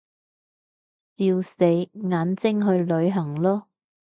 笑死，眼睛去旅行囉